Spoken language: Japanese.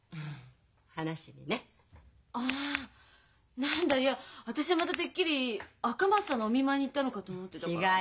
ああ何だいや私はまたてっきり赤松さんのお見舞いに行ったのかと思ってたから。